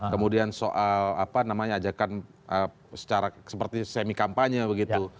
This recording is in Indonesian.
kemudian soal ajakan seperti semi kampanye begitu